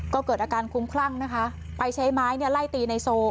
ก็เกิดอาการคุ้มคลั่งนะคะไปใช้ไม้เนี่ยไล่ตีในโซ